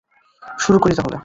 শুরু করি তাহলে।